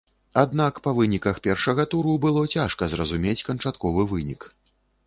Аднак па выніках першага туру было цяжка зразумець канчатковы вынік.